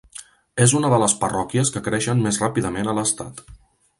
És una de les parròquies que creixen més ràpidament a l'estat.